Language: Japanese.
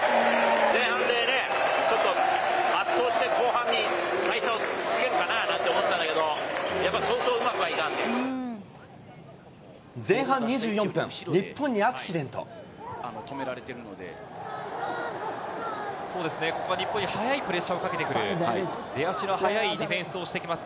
前半でね、ちょっと圧倒して、後半に大差をつけるかななんて思ってたんだけど、やっぱりそうそ前半２４分、日本にアクシデそうですね、ここは日本に速いプレッシャーをかけてくる、出足のはやいディフェンスをしてきます。